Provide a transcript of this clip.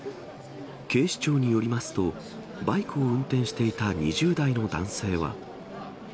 警視庁によりますと、バイクを運転していた２０代の男性は。